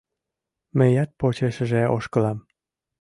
Мыят почешыже ошкылам.